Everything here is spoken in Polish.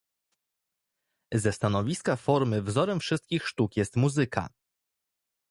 Ze stanowiska formy wzorem wszystkich sztuk jest muzyka.